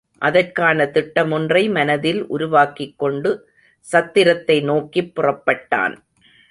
அதற்கான திட்டமொன்றை மனத்தில் உருவாக்கிக்கொண்டு சத்திரத்தை நோக்கிப் புறப்பட்டான்.